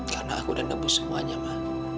karena aku udah nebus semuanya mah